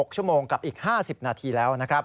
๖ชั่วโมงกับอีก๕๐นาทีแล้วนะครับ